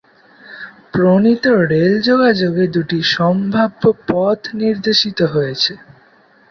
প্রণীত রেল যোগাযোগে দুটি সম্ভাব্য পথ নির্দেশিত হয়েছে।